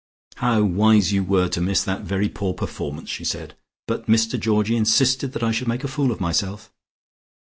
"How wise you were to miss that very poor performance," she said. "But Mr Georgie insisted that I should make a fool of myself."